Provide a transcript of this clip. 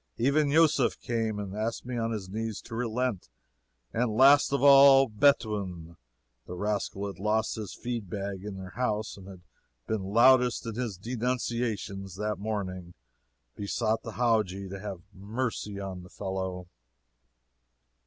Even Yusef came and asked me on his knees to relent, and last of all, Betuni the rascal had lost a feed bag in their house and had been loudest in his denunciations that morning besought the Howajji to have mercy on the fellow."